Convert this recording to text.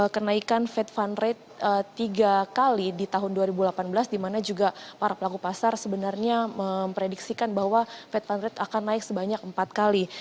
kenaikan fed fund rate tiga kali di tahun dua ribu delapan belas di mana juga para pelaku pasar sebenarnya memprediksikan bahwa fed fund rate akan naik sebanyak empat kali